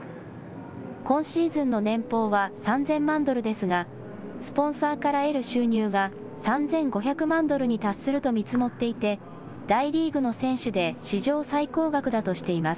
今シーズンの年俸は３０００万ドルですが、スポンサーから得る収入が３５００万ドルに達すると見積もっていて、大リーグの選手で史上最高額だとしています。